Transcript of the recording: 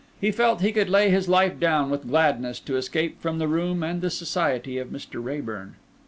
He felt he could lay his life down with gladness to escape from the room and the society of Mr. Raeburn.